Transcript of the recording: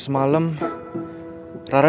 ntar lo juga tau